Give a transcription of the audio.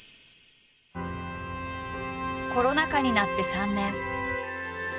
コロナ禍になって３年。